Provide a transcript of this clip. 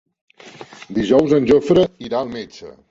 Dijous en Jofre irà al metge.